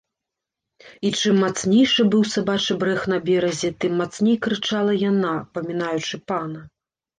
І чым мацнейшы быў сабачы брэх на беразе, тым мацней крычала яна, памінаючы пана.